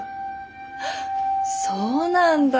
そうなんだ。